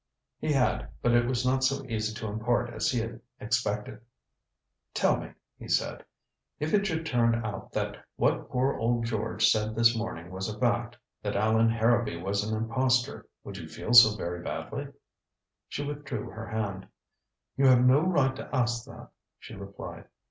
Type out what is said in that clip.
He had, but it was not so easy to impart as he had expected. "Tell me," he said, "if it should turn out that what poor old George said this morning was a fact that Allan Harrowby was an impostor would you feel so very badly?" She withdrew her hand. "You have no right to ask that," she replied.